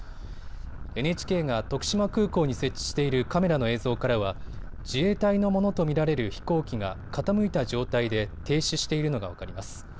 ＮＨＫが徳島空港に設置しているカメラの映像からは自衛隊のものと見られる飛行機が傾いた状態で停止しているのが分かります。